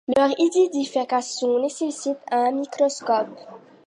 Leur identification nécessite un microscope.